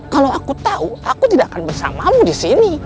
kalau aku tahu aku tidak akan bersamamu di sini